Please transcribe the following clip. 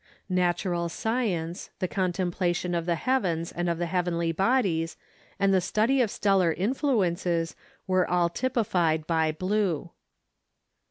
Natural science, the contemplation of the heavens and of the heavenly bodies, and the study of stellar influences were all typified by blue.